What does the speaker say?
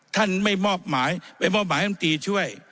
ท่านไม่มอบหมายไปมอบหมายลำตีช่วย